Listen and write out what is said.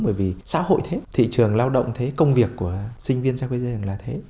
bởi vì xã hội thế thị trường lao động thế công việc của sinh viên xã hội thế là thế